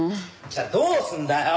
じゃあどうすんだよ！？